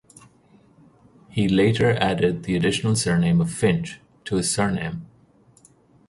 He later added the additional surname of Finch to his surname.